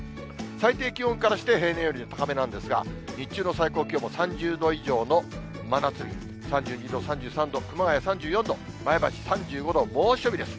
最低気温からして、平年より高めなんですが、日中の最高気温も３０度以上の真夏日、３２度、３３度、熊谷３４度、前橋３５度、猛暑日です。